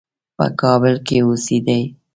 په کابل کې اوسېدی.